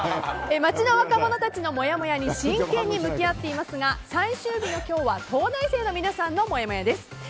街の若者たちのもやもやに真剣に向き合っていますが最終日の今日は東大生の皆さんのもやもやです。